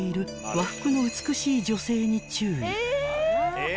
和服の美しい女性に注意］